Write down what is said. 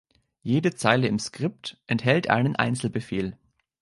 Jede Zeile im Skript enthält einen Einzelbefehl.